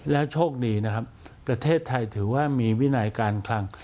แล้วโชคดีนะครับประเทศไทยถือว่ามีวินัยการคลัง